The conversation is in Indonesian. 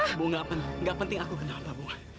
tidak penting aku kenapa